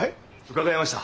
伺いました。